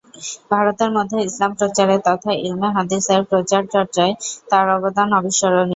ভারতের মধ্যে ইসলাম প্রচারে তথা ইলমে হাদিস-এর প্রচার চর্চায় তার অবদান অবিস্মরণীয়।